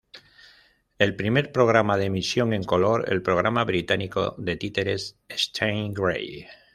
El primer programa de emisión en color el programa británico de títeres ""Stingray"".